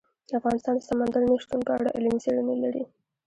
افغانستان د سمندر نه شتون په اړه علمي څېړنې لري.